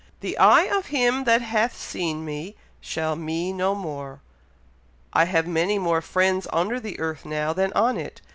'The eye of him that hath seen me shall me no more.' I have many more friends under the earth now, than on it.